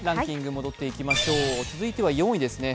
戻っていきましょう続いては４位ですね。